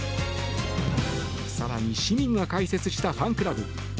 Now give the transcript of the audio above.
更に、市民が開設したファンクラブ